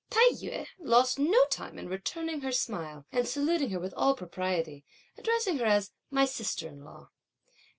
Tai yü lost no time in returning her smile and saluting her with all propriety, addressing her as my sister in law.